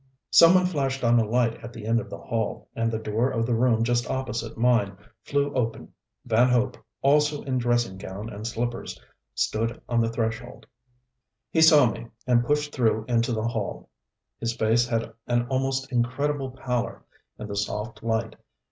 Some one flashed on a light at the end of the hall, and the door of the room just opposite mine flew open. Van Hope, also in dressing gown and slippers, stood on the threshold. He saw me, and pushed through into the hall. His face had an almost incredible pallor in the soft light.